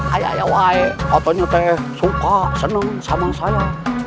ayah ayah wae katanya teh suka senang sama saya